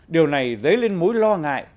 điều này dấy lên mối lo ngại